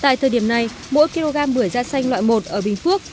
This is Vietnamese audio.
tại thời điểm này mỗi kg bưởi da xanh loại một ở bình phước